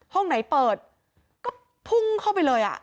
ห้องไหนเปิดก็พุ่งเข้าไปเลย